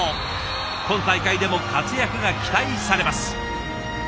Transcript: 今大会でも活躍が期待されます。